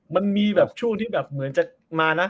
มันมีแบบช่วงที่แบบเหมือนจะมานะ